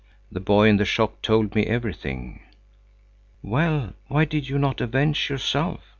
The boy in the shop told me everything." "Well, why did you not avenge yourself?"